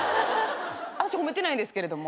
あたし褒めてないんですけども。